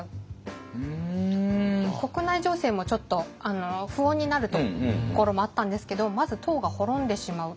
国内情勢もちょっと不穏になるところもあったんですけどまず唐が滅んでしまう。